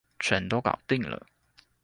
全都搞定了